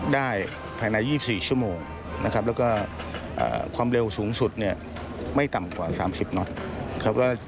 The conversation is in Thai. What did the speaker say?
ได้ภายใน๒๔ชั่วโมงและความเร็วสูงสุดไม่ต่ำกว่า๓๐น็อต